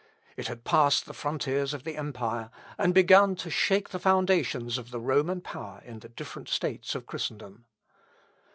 It had passed the frontiers of the empire, and begun to shake the foundations of the Roman power in the different states of Christendom.